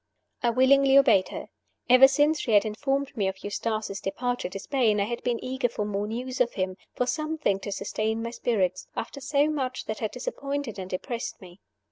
I willingly obeyed her. Ever since she had informed me of Eustace's departure to Spain I had been eager for more news of him, for something to sustain my spirits, after so much that had disappointed and depressed me.